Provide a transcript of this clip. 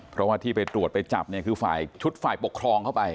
เพราะว่าที่ไปตรวจไปจับเนี่ยคือฝ่ายชุดฝ่ายปกครองเข้าไป